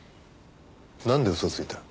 なんで嘘をついた？